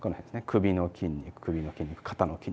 首の筋肉首の筋肉肩の筋肉。